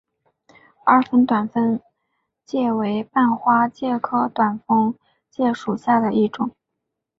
二分短蜂介为半花介科短蜂介属下的一个种。